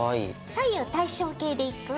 左右対称系でいく？